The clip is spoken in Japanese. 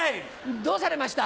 どうされました？